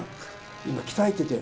今、鍛えてて。